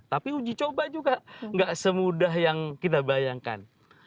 tapi uji coba juga gak semudah yang kita bayangkan